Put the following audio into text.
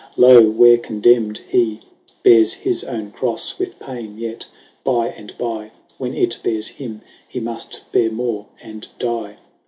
Loe, where condemned hee Beares his owne crofTe, with paine, yet by and by 10 When it beares him, he muft beare more and die.